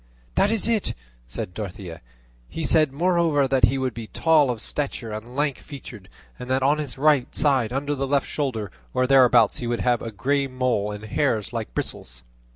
"That is it," said Dorothea; "he said, moreover, that he would be tall of stature and lank featured; and that on his right side under the left shoulder, or thereabouts, he would have a grey mole with hairs like bristles."